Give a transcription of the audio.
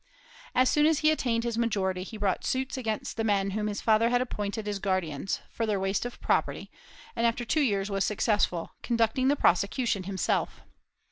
As soon as he attained his majority, he brought suits against the men whom his father had appointed his guardians, for their waste of property, and after two years was successful, conducting the prosecution himself.